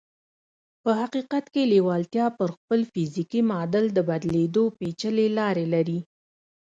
په حقیقت کې لېوالتیا پر خپل فزیکي معادل د بدلېدو پېچلې لارې لري